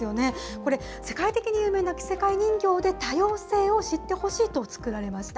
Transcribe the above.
これ、世界的に有名な着せ替え人形で多様性を知ってほしいと作られました。